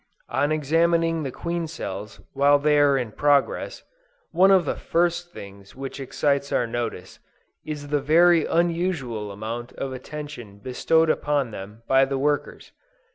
On examining the queen cells while they are in progress, one of the first things which excites our notice, is the very unusual amount of attention bestowed upon them by the workers.